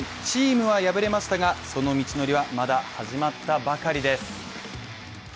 チームは敗れましたが、その道のりはまだ始まったばかりです。